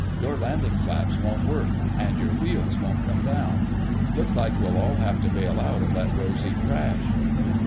Your landing flaps won't work and your wheels won't come down. Looks like we'll all have to bail out and let Rosy crash."